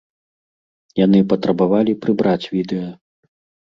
Яны патрабавалі прыбраць відэа.